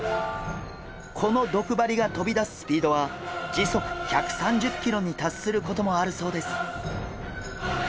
この毒針が飛び出すスピードは時速１３０キロに達することもあるそうです。